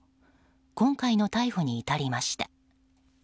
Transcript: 今回の逮捕に至りました。